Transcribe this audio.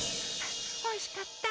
おいしかった。